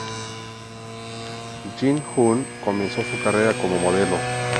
Jin Hoon comenzó su carrera como modelo.